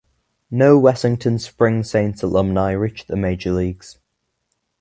No Wessington Springs Saints alumni reached the major leagues.